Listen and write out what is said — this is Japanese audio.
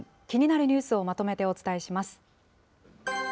気になるニュースをまとめてお伝えします。